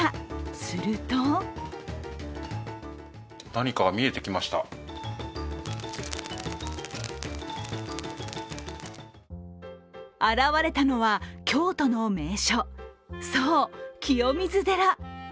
すると現れたのは京都の名所、そう、清水寺。